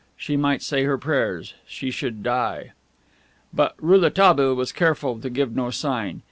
She might say her prayers; she should die. But Rouletabille was careful to give no sign.